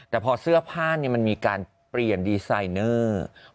แต่พอเสื้อผ้ามันมีการเปลี่ยนดีไซเนอร์